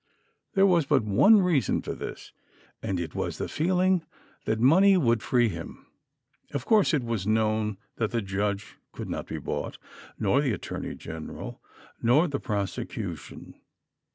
There was but one reason for this, and it was the feeling that money would free him. Of course it was known that the judge could not be bought, nor the Attorney General, nor the prosecution.